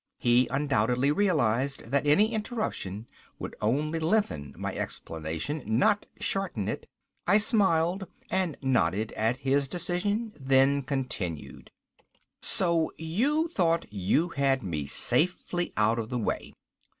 He undoubtedly realized that any interruption would only lengthen my explanation, not shorten it. I smiled and nodded at his decision, then continued. "So you thought you had me safely out of the way.